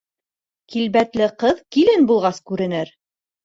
Килбәтле ҡыҙ килен булғас күренер.